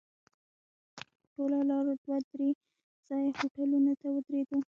په ټوله لاره دوه درې ځایه هوټلونو ته ودرېدو.